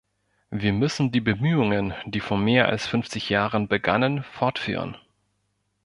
Wir müssen die Bemühungen, die vor mehr als fünfzig Jahren begannen, fortführen.